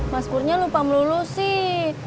mas kurnya lupa melulu sih